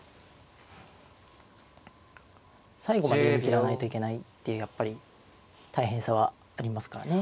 最後まで読み切らないといけないってやっぱり大変さはありますからね。